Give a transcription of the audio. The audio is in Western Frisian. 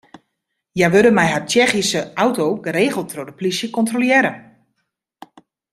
Hja wurde mei har Tsjechyske auto geregeld troch de plysje kontrolearre.